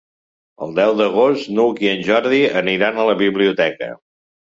El deu d'agost n'Hug i en Jordi aniran a la biblioteca.